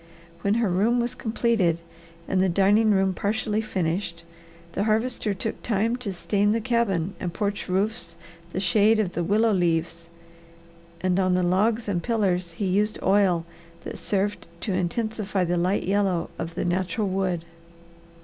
When her room was completed and the dining room partially finished, the Harvester took time to stain the cabin and porch roofs the shade of the willow leaves, and on the logs and pillars he used oil that served to intensify the light yellow of the natural wood.